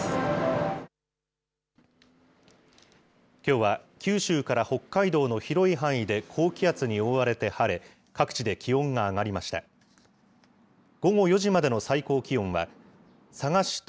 きょうは九州から北海道の広い範囲で高気圧に覆われて晴れ、各地で気温が上がりました。